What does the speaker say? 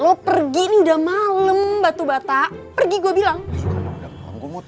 lo pergi nih udah malam batu bata pergi gue bilang